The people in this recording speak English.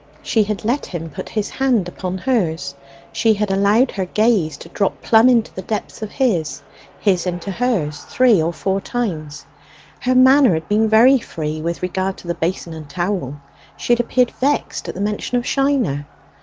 She had let him put his hand upon hers; she had allowed her gaze to drop plumb into the depths of his his into hers three or four times; her manner had been very free with regard to the basin and towel; she had appeared vexed at the mention of Shiner.